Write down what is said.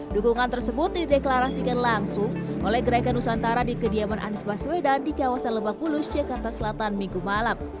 dukungan tersebut dideklarasikan langsung oleh gerakan nusantara di kediaman anies baswedan di kawasan lebak bulus jakarta selatan minggu malam